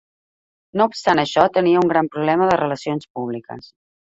No obstant això, tenia un gran problema de relacions públiques.